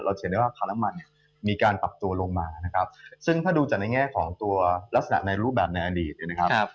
จะเห็นได้ว่าค่าน้ำมันเนี่ยมีการปรับตัวลงมานะครับซึ่งถ้าดูจากในแง่ของตัวลักษณะในรูปแบบในอดีตเนี่ยนะครับ